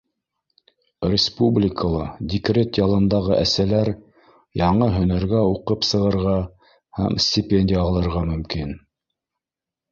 Республикала декрет ялындағы әсәләр яңы һөнәргә уҡып сығырға һәм стипендия алырға мөмкин.